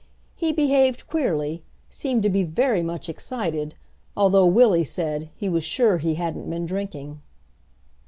He behaved queerly, seemed to be very much excited; although, Willie said, he was sure he hadn't been drinking.